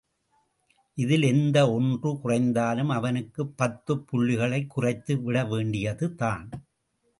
இதில் எந்த ஒன்று குறைந்தாலும் அவனுக்குப் பத்துப் புள்ளிகளைக் குறைத்து விடவேண்டியதுதான்.